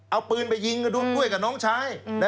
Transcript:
เอาปืนไปยิงกล้วยกับน้องชาย